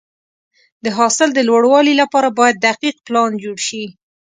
د حاصل د لوړوالي لپاره باید دقیق پلان جوړ شي.